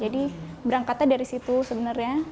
jadi berangkatnya dari situ sebenarnya